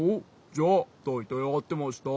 じゃあだいたいあってました。